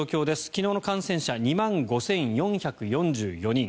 昨日の感染者、２万５４４４人。